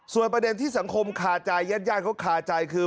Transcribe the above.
ส่วนประเด็นที่สังคมขาดใจย่านเขาขาดใจคือ